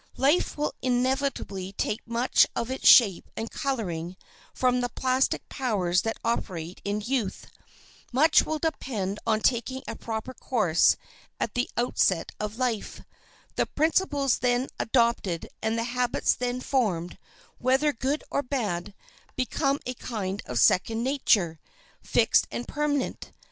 Life will inevitably take much of its shape and coloring from the plastic powers that operate in youth. Much will depend on taking a proper course at the outset of life. The principles then adopted and the habits then formed, whether good or bad, become a kind of second nature, fixed and permanent.